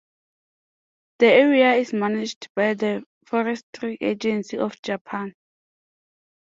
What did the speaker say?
The area is managed by the Forestry Agency of Japan.